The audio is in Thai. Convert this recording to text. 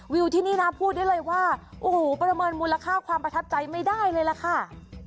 วิวที่นี่นะพูดได้เลยว่าโอ้โหประเมินมูลค่าความประทับใจไม่ได้เลยล่ะค่ะ